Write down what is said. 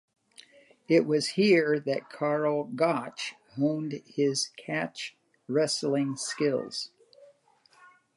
It was here that Karl Gotch honed his catch wrestling skills.